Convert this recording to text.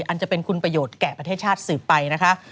อันจะเป็นคุณประโยชน์แก่ประเทศชาติสืบไปนะคะ